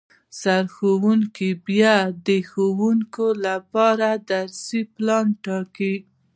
سرښوونکی بیا د ښوونکو لپاره درسي پلان ټاکي